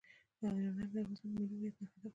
یورانیم د افغانستان د ملي هویت نښه ده.